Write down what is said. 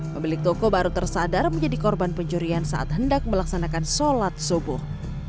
pemilik toko baru tersadar menjadi korban pencurian saat hendak melaksanakan sholat subuh